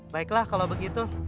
baiklah kalau begitu